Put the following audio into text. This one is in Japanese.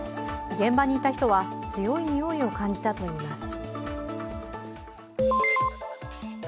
現場にいた人は、強い臭いを感じたといいます。